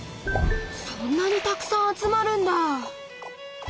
そんなにたくさん集まるんだ！